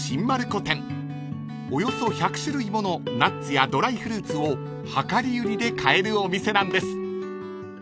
［およそ１００種類ものナッツやドライフルーツを量り売りで買えるお店なんです］